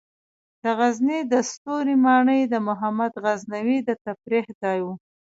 د غزني د ستوري ماڼۍ د محمود غزنوي د تفریح ځای و